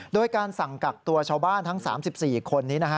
โดยการสั่งกักตัวชาวบ้านทั้ง๓๔คนนี้นะฮะ